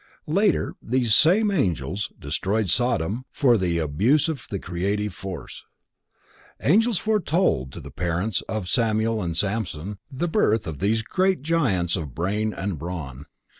Later these same angels destroyed Sodom for abuse of the creative force. Angels foretold to the parents of Samuel and Samson, the birth of these giants of brain and brawn.